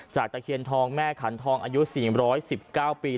ตะเคียนทองแม่ขันทองอายุ๔๑๙ปี